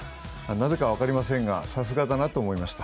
なぜか分かりませんけれども、さすがだなと思いました。